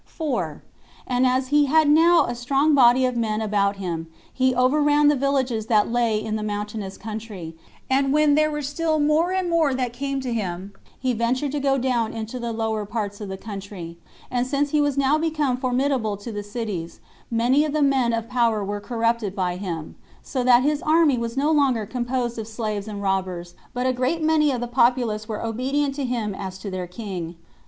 4. And as he had now a strong body of men about him, he overran the villages that lay in the mountainous country, and when there were still more and more that came to him, he ventured to go down into the lower parts of the country, and since he was now become formidable to the cities, many of the men of power were corrupted by him; so that his army was no longer composed of slaves and robbers, but a great many of the populace were obedient to him as to their king.